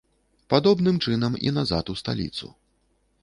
Падобным чынам і назад у сталіцу.